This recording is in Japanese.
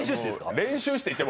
練習って。